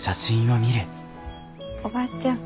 おばあちゃん